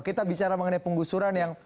kita bicara mengenai penggusuran